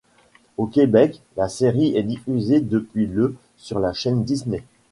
Au Québec, la série est diffusée depuis le sur La Chaîne Disney.